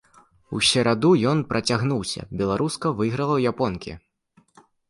У сераду ён працягнуўся, беларуска выйграла ў японкі.